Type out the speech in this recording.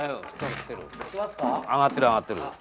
上がってる上がってる。